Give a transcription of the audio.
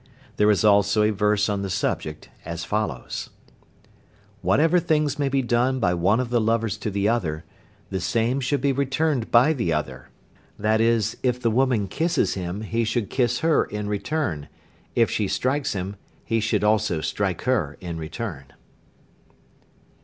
There is also a verse on the subject as follows: "Whatever things may be done by one of the lovers to the other, the same should be returned by the other, i.e., if the woman kisses him he should kiss her in return, if she strikes him he should also strike her in return."